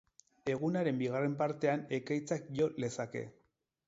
Egunaren bigarren partean, ekaitzak jo lezake.